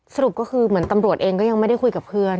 สรุปก็คือเหมือนตำรวจเองก็ยังไม่ได้คุยกับเพื่อน